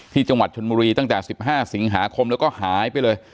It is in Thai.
ที่จังหวัดชนบุรีตั้งแต่๑๕สิงหาคมแล้วก็หายไปเลย